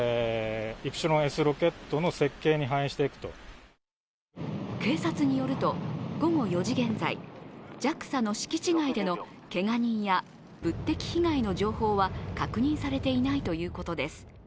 ＪＡＸＡの担当者は警察によると午後４時現在ＪＡＸＡの敷地外でのけが人や物的被害の情報は確認されていないということです。